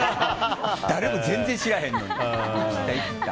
誰も全然知らへんのに。